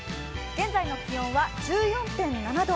現在の気温は１４．７度。